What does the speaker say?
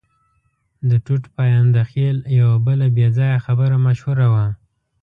د ټوټ پاینده خېل یوه بله بې ځایه خبره مشهوره وه.